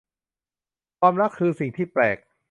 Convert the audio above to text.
ความรักคือสิ่งที่แปลก